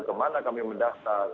kemana kami mendata